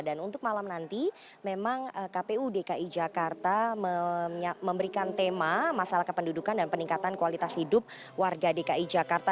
dan untuk malam nanti memang kpu dki jakarta memberikan tema masalah kependudukan dan peningkatan kualitas hidup warga dki jakarta